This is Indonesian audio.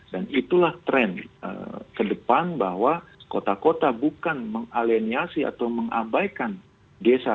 dan itulah tren ke depan bahwa kota kota bukan mengaliniasi atau mengabaikan desa